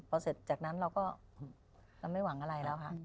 พอเสร็จจากนั้นเราก็เราไม่หวังอะไรแล้วค่ะ